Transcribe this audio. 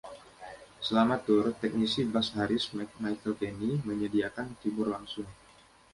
Selama tur, teknisi bass Harris, Michael Kenney, menyediakan kibor langsung.